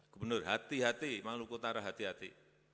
gubernur hati hati maluku utara hati hati